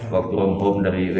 waktu home home dari rumah